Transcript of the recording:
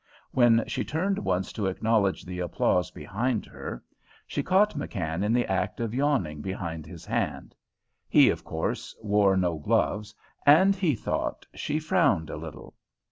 When she turned once to acknowledge the applause behind her, she caught McKann in the act of yawning behind his hand he of course wore no gloves and he thought she frowned a little.